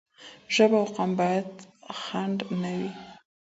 ژبه او قوم باید خنډ نه وي.